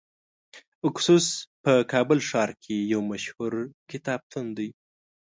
اکسوس په کابل ښار کې یو مشهور کتابتون دی .